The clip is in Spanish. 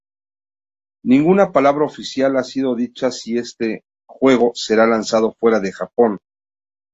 Ninguna palabra oficial ha sido dicha si este juego será lanzado fuera de Japón.